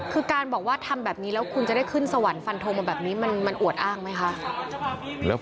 คือการบอกว่าทำแบบนี้แล้วคุณจะได้ขึ้นสวรรค์ฟันทงมาแบบนี้มันอวดอ้างไหมคะ